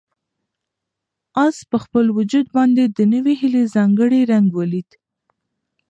آس په خپل وجود باندې د نوې هیلې ځانګړی رنګ ولید.